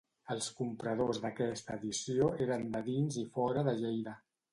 Els compradors d'aquesta edició eren de dins i fora de Lleida.